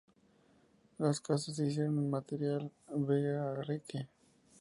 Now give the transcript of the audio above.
Las casas se hicieron en material bahareque.